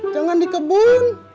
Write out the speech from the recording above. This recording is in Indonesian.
jangan di kebun